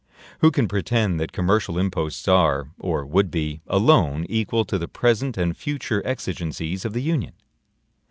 Who can pretend that commercial imposts are, or would be, alone equal to the present and future exigencies of the Union?